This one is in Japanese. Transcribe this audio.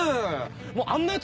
もうあんなヤツ